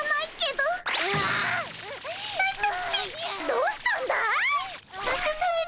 どうしたんだい？